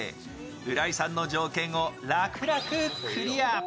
浦井さんの条件を楽々クリア。